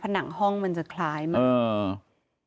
หนังห้องมันจะคล้ายมาก